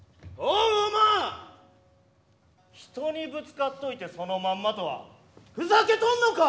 おま人にぶつかっといてそのまんまとはふざけとんのか！